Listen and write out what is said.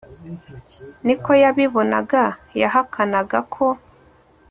ni ko yabibonaga yahakanaga ko